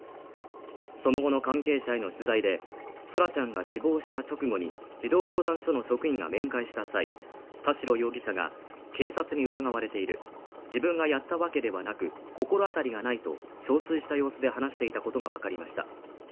その後の関係者への取材で、空来ちゃんが死亡した直後に、児童相談所の職員が面会した際、田代容疑者が警察に疑われている自分がやったわけではなく、心当たりがないと憔悴した様子で話していたことがわかりました。